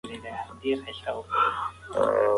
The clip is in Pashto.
موږ د نوي فکر خاوندان یو.